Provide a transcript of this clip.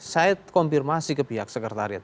saya konfirmasi ke pihak sekretariat